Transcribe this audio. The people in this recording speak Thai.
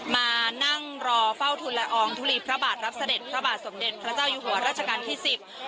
มานั่งรอเฝ้าทุนละอองทุลีพระบาทรับเสด็จพระบาทสมเด็จพระเจ้าอยู่หัวราชการที่สิบ